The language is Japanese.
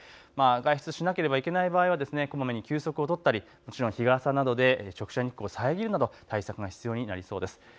外出しなければいけない場合はこまめに休息を取ったり日傘などで直射日光を遮るなど対策が必要になりそうです。